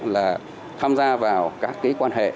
là tham gia vào các cái quan hệ